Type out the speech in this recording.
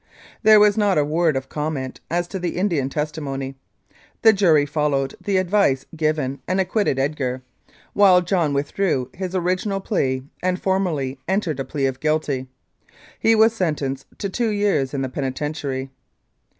There was not a word of comment as to the Indian testimony. The jury followed the advice given and acquitted Edgar, while John withdrew his original plea and formally entered a plea of guilty. He was sent enced to two years in the penitentiary.